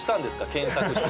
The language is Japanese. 検索して」